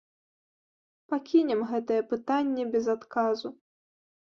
Пакінем гэтае пытанне без адказу.